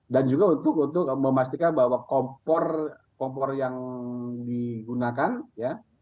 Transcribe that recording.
dan juga untuk memastikan bahwa kompor yang digunakan ya